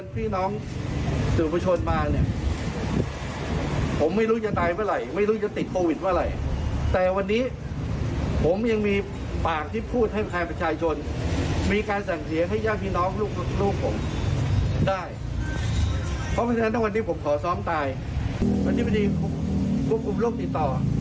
เพราะฉะนั้นถ้าวันนี้ผมขอซ้อมตายวันนี้คุณกุมโรคติดต่อ